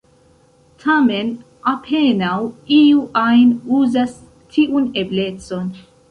Tamen apenaŭ iu ajn uzas tiun eblecon.